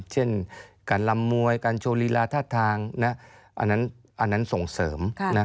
เช่นการลำมวยการโชว์ลีลาท่าทางอันนั้นส่งเสริม